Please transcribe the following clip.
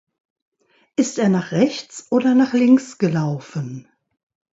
Ist er nach rechts oder nach links gelaufen?